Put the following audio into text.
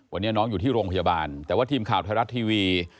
วันนี้น้องอยู่ที่โรงพยาบาลแต่ว่าทีมข่าวไทยรัฐทีวี